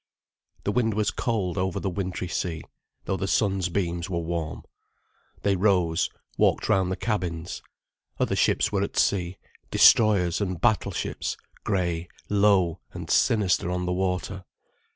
The wind was cold over the wintry sea, though the sun's beams were warm. They rose, walked round the cabins. Other ships were at sea—destroyers and battleships, grey, low, and sinister on the water.